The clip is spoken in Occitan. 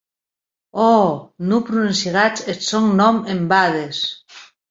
Ò!, non prononciètz eth sòn nòm en bades!